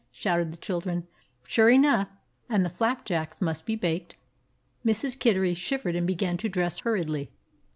shouted the children. Sure enough, and the flapjacks must be baked. Mrs. Kittery shivered and began to dress hur riedly.